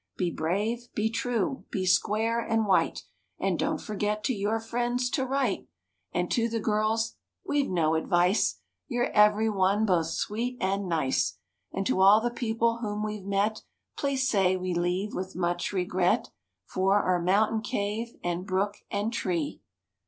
Be brave, be true, be square and white, And don't forget to your friends to write. And to the girls: We've no advice; You're everyone both sweet and nice. And to all the people whom we've met Please say we leave, with much regret, For our mountain cave and brook and tree."